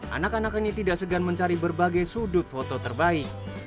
anak anak ini tidak segan mencari berbagai sudut foto terbaik